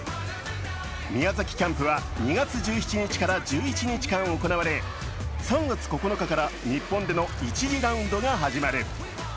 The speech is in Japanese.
宮崎キャンプは２月１７日から１１日間行われ３月９日から日本での１次ラウンドが始まる。